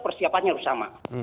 persiapannya harus sama